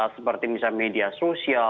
seperti media sosial